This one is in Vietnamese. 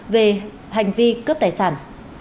về hành vi cướp tài sản